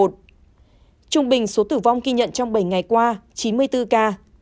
trung bình số tử vong ghi nhận trong bảy ngày qua chín mươi bốn ca